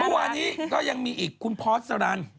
เมื่อวานนี้ก็ยังมีอีกคุณพอสรัน